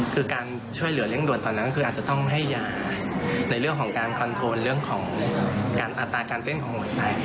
คือการช่วยเหลือเร่งด่วนตอนนั้นคืออาจจะต้องให้ยาในเรื่องของการคอนโทรลเรื่องของการอัตราการเต้นของหัวใจ